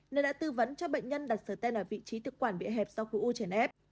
nên đã tư vấn cho bệnh nhân đặt sở tên ở vị trí thực quản bị hẹp sau khu u chèn ép